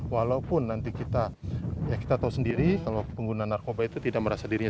walaupun nanti kita ya kita tahu sendiri kalau pengguna narkoba itu tidak merasa dirinya